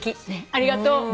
ありがとう。